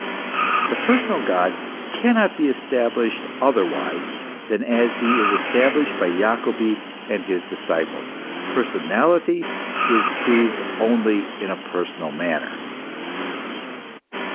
The personal God cannot be established otherwise than as he is established by Jacobi and his disciples. Personality is proved only in a personal manner.